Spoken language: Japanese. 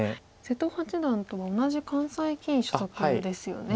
瀬戸八段とは同じ関西棋院所属ですよね。